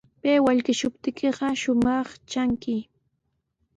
Pay wallkishuptiykiqa shumaq tranki.